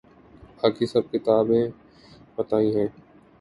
باقی سب کتابی باتیں ہیں۔